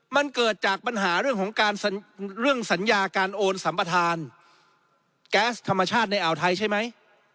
มันเกิดจากปัญหาเรื่องของการเรื่องสัญญาการโอนสัมปทานแก๊สธรรมชาติในอ่าวไทยใช่ไหม